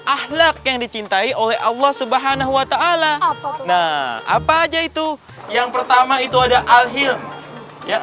ahlak yang dicintai oleh allah swt nah apa aja itu yang pertama itu ada al hilm ya